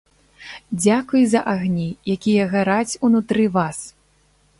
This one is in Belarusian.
Дзякуй за агні, якія гараць унутры вас!